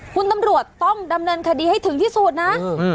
คุณตำรวจต้องดำเนินคดีให้ถึงที่สุดนะ